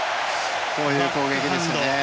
こういう攻撃ですね。